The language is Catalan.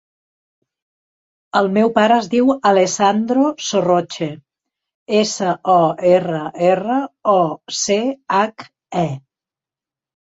El meu pare es diu Alessandro Sorroche: essa, o, erra, erra, o, ce, hac, e.